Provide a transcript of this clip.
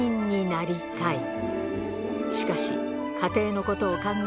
しかし家庭のことを考え